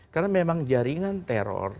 karena memang jaringan teror